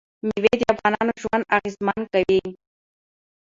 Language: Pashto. مېوې د افغانانو ژوند اغېزمن کوي.